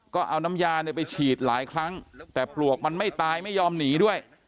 ก็เอาน้ำยาเนี่ยไปฉีดหลายครั้งแต่ปลวกมันไม่ตายไม่ยอมหนีด้วย